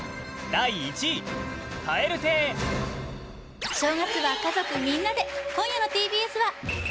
第１位蛙亭お正月は家族みんなで今夜のＴＢＳは？